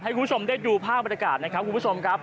ให้คุณผู้ชมได้ดูภาพบริการนะครับ